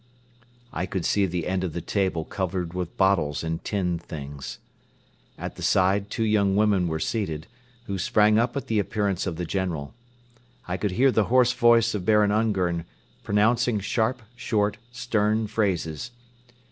I could see the end of the table covered with bottles and tinned things. At the side two young women were seated, who sprang up at the appearance of the General. I could hear the hoarse voice of Baron Ungern pronouncing sharp, short, stern phrases.